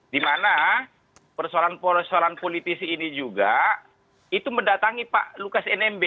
dimana persoalan persoalan politisi ini juga itu mendatangi pak lukas nmb